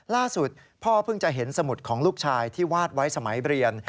ล่าสุดพ่อเพิ่งจะเห็นสมุดของลูกชายที่วาดไว้สมัยเรียน